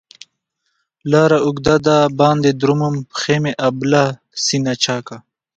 لار اوږده ده باندې درومم، پښي مې ابله سینه چاکه